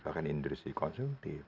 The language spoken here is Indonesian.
bahkan industri konsumtif